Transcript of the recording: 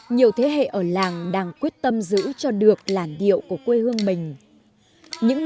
nhiều thế hệ ở làng đang quyết tâm giữ cho được làn điệu của quê hương mình